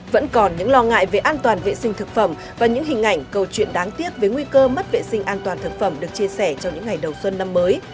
vẫn còn những lo ngại về an toàn vệ sinh thực phẩm và những hình ảnh câu chuyện đáng tiếc về nguy cơ mất vệ sinh an toàn thực phẩm được chia sẻ trong những ngày đầu xuân năm mới